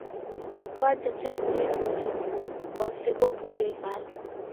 Kwaja chakule putu kwasighwa kuje vala.